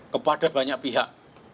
kepada banyak pihak